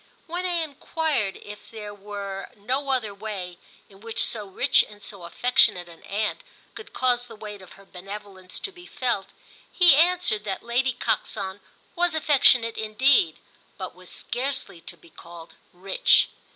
When I enquired if there were no other way in which so rich and so affectionate an aunt could cause the weight of her benevolence to be felt, he answered that Lady Coxon was affectionate indeed, but was scarcely to be called rich.